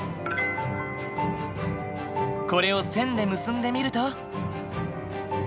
これを線で結んでみると。